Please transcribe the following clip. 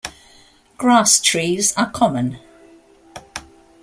Grass-trees are common.